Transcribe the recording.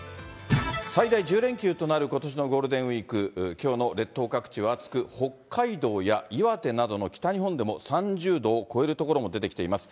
最大１０連休となることしのゴールデンウィーク、きょうの列島各地は暑く、北海道や岩手などの北日本でも３０度を超える所も出てきています。